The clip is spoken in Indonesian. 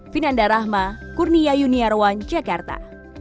vinanda rahma kurnia yuniarwan jakarta